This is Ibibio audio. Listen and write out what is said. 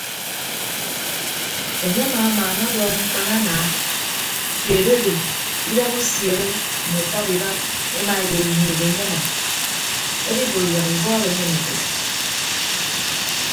Enye amamaana ọdọọk mkpana ana keed odo idap usiere mme ataba idap emaedo nyiik enye emʌm edibo yak ibọọb enyen etәk.